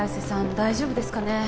大丈夫ですかね